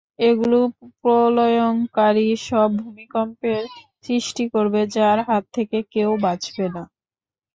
এগুলো প্রলয়ংকারী সব ভূমিকম্পের সৃষ্টি করবে যার হাত থেকে কেউ বাঁচবে না!